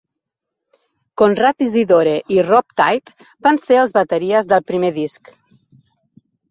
Conrad Isidore i Rob Tait van ser els bateries del primer disc.